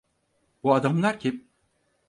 Bu adamlar kim?